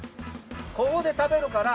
ここで食べるから。